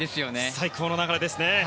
最高の流れですね。